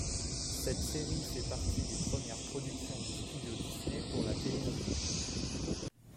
Cette série fait partie des premières productions du studio Disney pour la télévision.